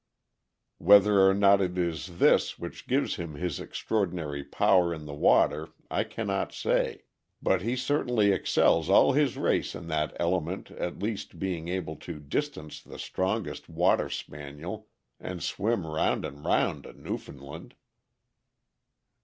Whether or not it is this which gives him his extraordinary power in the water I can not say, but he certainly excels all his race in that element, at least, being able to distance the strongest Water Spaniel and swim round and round a Newfoundland.